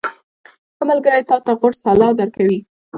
• ښه ملګری تا ته غوره سلا درکوي.